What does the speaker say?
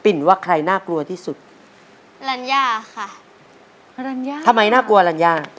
ว่าใครน่ากลัวที่สุดรัญญาค่ะรัญญาทำไมน่ากลัวรัญญา